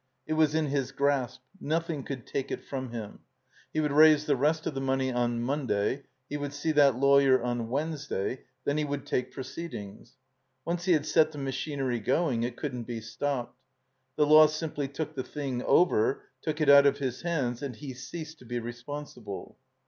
It was in his grasp, nothing could take it from him. He would raise the rest of the money on Monday. He would see that lawyer on Wednesday. Then he would take proceedings. Once he had set the ma chinery going it cotddn't be stopped. The law simply took the thing over, took it out of his hands, and he ceased to be responsible.